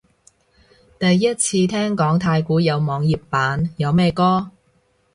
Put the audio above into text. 第一次聽講太鼓有網頁版，有咩歌？